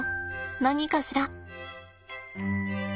何かしら。